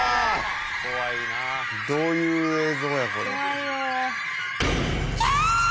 どういう映像やこれキャーッ！